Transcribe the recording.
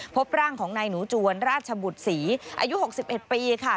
พบร่างของนายหนูจวนราชบุตรศรีอายุ๖๑ปีค่ะ